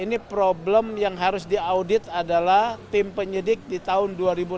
ini problem yang harus diaudit adalah tim penyidik di tahun dua ribu enam belas